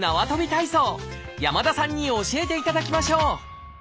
体操山田さんに教えていただきましょう！